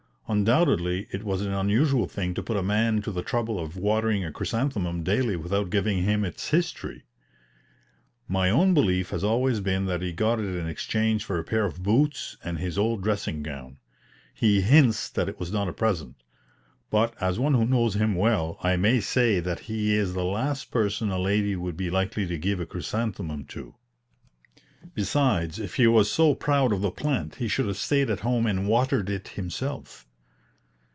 Undoubtedly it was an unusual thing to put a man to the trouble of watering a chrysanthemum daily without giving him its history. My own belief has always been that he got it in exchange for a pair of boots and his old dressing gown. He hints that it was a present; but, as one who knows him well, I may say that he is the last person a lady would be likely to give a chrysanthemum to. Besides, if he was so proud of the plant he should have stayed at home and watered it himself.